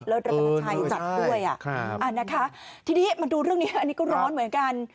แล้วรัฐชัยจัดด้วยนะคะทีนี้มาดูเรื่องนี้อันนี้ก็ร้อนเหมือนกัน